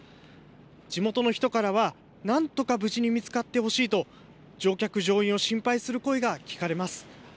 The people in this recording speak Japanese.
地元の人からは、なんとか無事に見つかってほしいと、乗客・乗員を心配する声が聞かれます。